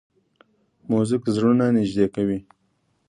موزیک زړونه نږدې کوي.